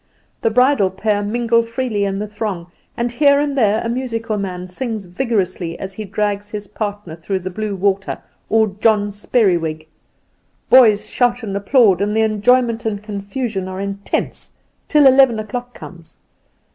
The bridal pair mingle freely in the throng, and here and there a musical man sings vigorously as he drags his partner through the Blue Water or John Speriwig; boys shout and applaud, and the enjoyment and confusion are intense, till eleven o'clock comes.